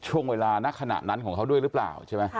ช่วงเวลาณขณะนั้นของเขาด้วยหรือเปล่าใช่ไหม